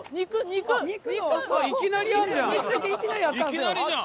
いきなりじゃん！